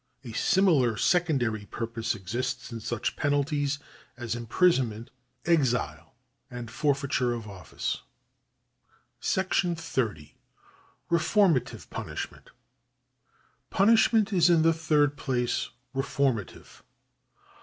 A similar secondary purpose exists in such penalties as imprisonment, exile, and forfeiture of office. §30. Reformative Punishment. Punishment is in the third place reformative.